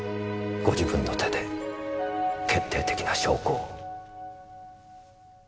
ご自分の手で決定的な証拠を。